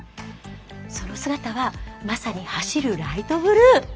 その姿はまさに走るライトブルー。